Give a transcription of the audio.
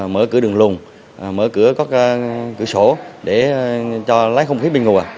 mở cửa đường lùng mở cửa cửa sổ để cho lái không khí bình ngùa